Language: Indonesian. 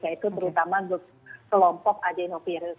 yaitu terutama kelompok adenovirus